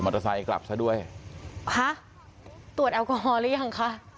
มอเตอร์ไซค์กลับซะด้วยฮะตรวจแอลกอโฮอลอย่างค่ะ